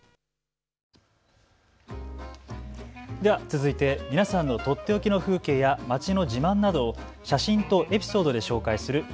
続いて皆さんの取って置きの風景や町の自慢などを写真とエピソードで紹介する＃